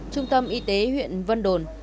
trung tâm y tế huyện vân đồn